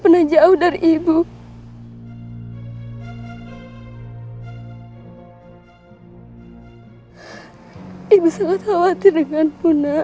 semoga saya yang selalu melindungimu nak